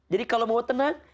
jadi kalau mau tenang